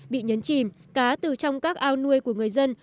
bị nhấn chìm cá từ trong các ao nuôi của người dân